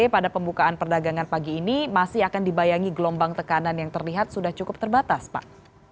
pada pembukaan perdagangan pagi ini masih akan dibayangi gelombang tekanan yang terlihat sudah cukup terbatas pak